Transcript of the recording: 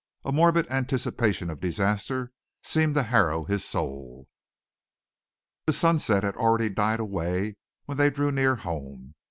A morbid anticipation of disaster seemed to harrow his soul. The sunset had already died away when they drew near home.